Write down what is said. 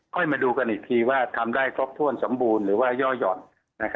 มาดูกันอีกทีว่าทำได้ครบถ้วนสมบูรณ์หรือว่าย่อหย่อน